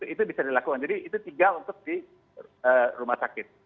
itu bisa dilakukan jadi itu tiga untuk di rumah sakit